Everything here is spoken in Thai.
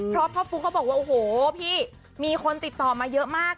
เพราะพ่อปุ๊กเขาบอกว่าโอ้โหพี่มีคนติดต่อมาเยอะมาก